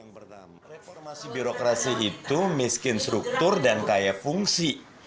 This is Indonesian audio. bidrokrasi itu miskin struktur dan kaya fungsi